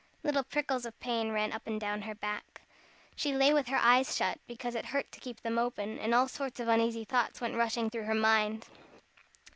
Little prickles of pain ran up and down her back. She lay with her eyes shut, because it hurt to keep them open, and all sorts of uneasy thoughts went rushing through her mind.